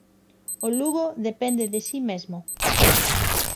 O Lugo depende de si mesmo.